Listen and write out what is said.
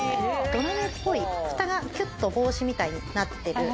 土鍋っぽい蓋がキュッと帽子みたいになってる鍋で